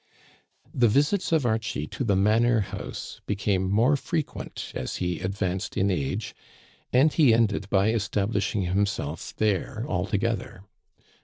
The visits of Archie to the manor house became more frequent as he advanced in age, and he ended by establishing himself there altogether.